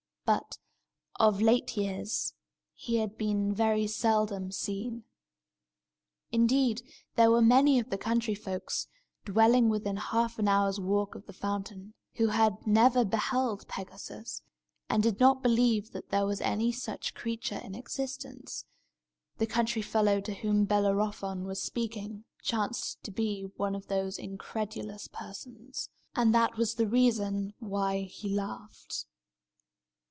But, of late years, he had been very seldom seen. Indeed, there were many of the country folks, dwelling within half an hour's walk of the fountain, who had never beheld Pegasus, and did not believe that there was any such creature in existence. The country fellow to whom Bellerophon was speaking chanced to be one of those incredulous persons. And that was the reason why he laughed.